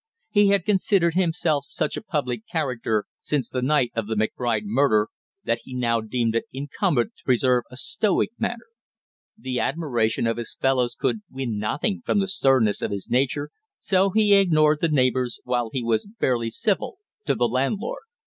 He had considered himself such a public character since the night of the McBride murder that he now deemed it incumbent to preserve a stoic manner; the admiration of his fellows could win nothing from the sternness of his nature, so he ignored the neighbors, while he was barely civil to the landlord.